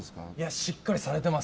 しっかりされてます。